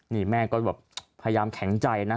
นี่แม่ก็แบบพยายามแข็งใจนะ